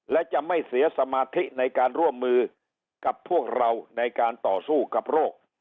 และจะไม่เสียสมาธิในการร่วมมือกับพวกเราในการต่อสู้กับโรค